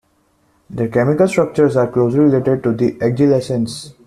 Their chemical structures are closely related to the agelasines.